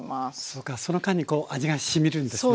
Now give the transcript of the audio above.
そうかその間にこう味がしみるんですね。